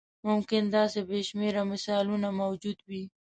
ممکن داسې بې شمېره مثالونه موجود وي.